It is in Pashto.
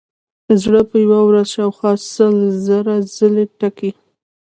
زړه په یوه ورځ شاوخوا سل زره ځلې ټکي.